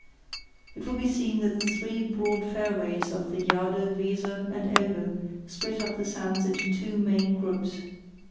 It will be seen that the three broad fairways of the Jade, Weser, and Elbe split up the sands into two main groups.